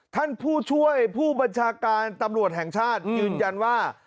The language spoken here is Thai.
ท่านผู้ช่วยผู้บัญชาการตำรวจแห่งชาติยืนยันว่า